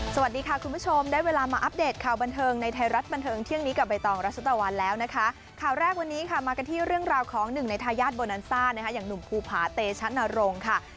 สวัสดีค่ะคุณผู้ชมได้เวลามาอัปเดตข่าวบันเทิงในไทยรัฐบันเทิงเที่ยงนี้กับใบตองรัชตะวันแล้วนะคะข่าวแรกวันนี้ค่ะมากันที่เรื่องราวของหนึ่งในทายาทโบนันซ่านะคะอย่างหนุ่มภูผาเตชะนรงค์ค่ะ